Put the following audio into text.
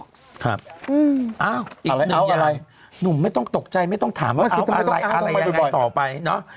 อ้าวอีกหนึ่งอะไรหนุ่มไม่ต้องตกใจไม่ต้องถามว่าคิดอะไรอะไรยังไงต่อไปเนอะ